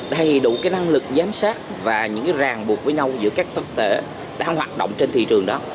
đầy đủ cái năng lực giám sát và những cái ràng buộc với nhau giữa các tất tể đang hoạt động trên thị trường đó